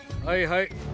はいはい。